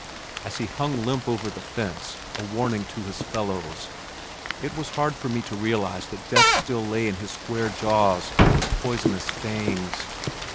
As he hung limp over the fence, a warning to his fellows, it was hard for me to realize that death still lay in his square jaws and poisonous fangs.